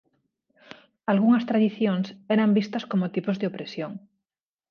Algunhas tradicións eran vistas como tipos de opresión.